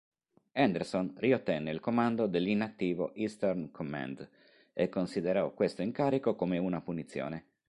Anderson riottenne il comando dell'inattivo "Eastern Command", e considerò questo incarico come una punizione.